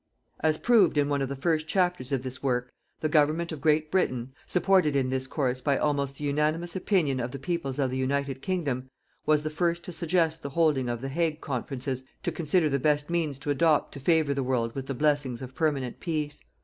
As proved in one of the first chapters of this work, the Government of Great Britain, supported in this course by almost the unanimous opinion of the peoples of the United Kingdom, was the first to suggest the holding of the Hague conferences to consider the best means to adopt to favour the world with the blessings of permanent peace.